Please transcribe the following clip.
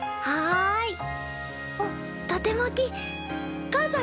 はい。